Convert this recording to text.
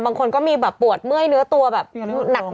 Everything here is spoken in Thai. บางคนก็มีแบบปวดเมื่อยเนื้อตัวแบบหนัก